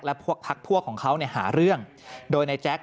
และพวกพักพวกของเขาเนี่ยหาเรื่องโดยนายแจ๊ค